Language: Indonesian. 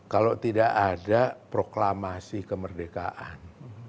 kalau tidak ada proklamasi kemerdekaan